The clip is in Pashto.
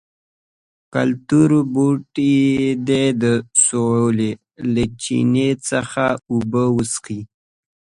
کلتور بوټي دې د سولې له چینې څخه اوبه وڅښي.